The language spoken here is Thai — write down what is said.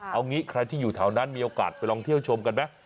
เอางี้ใครที่อยู่แถวนั้นมีโอกาสไปลองเที่ยวชมกันไหม